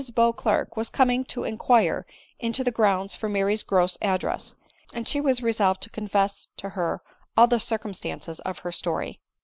Beauclerc was coming to inquire into the grounds for Mary's gross address ; and she was resolved to confess to ber all the circumstances of her story.